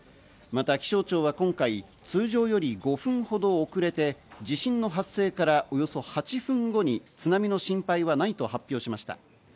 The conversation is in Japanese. また気象庁は今回、通常より５分ほど遅れて地震の発生からおよそ８分後に津波の心配はないと発表しました。